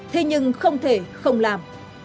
thế nhưng không thể không làm